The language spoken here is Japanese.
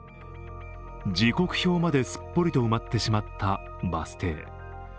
時刻表まですっぽりと埋まってしまったバス停。